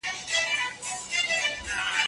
موږ به د زعفرانو لارښود وو.